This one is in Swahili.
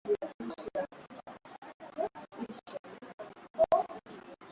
Nikapata shauku ya kufuatilia historia hiyo katika mji maarufu wa Ngarambe